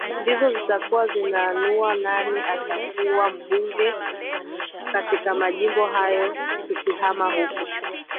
ndizo zitakuwa zinaanua nani atakuwa mbunge katika majimbo hayo tukihama huko